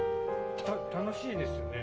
楽しいですよね。